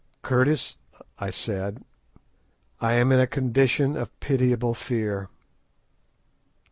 "Curtis," I said, "I am in a condition of pitiable fear."